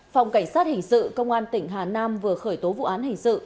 phòng cảnh sát hình sự công an tỉnh hà nam vừa khởi tố vụ án hình sự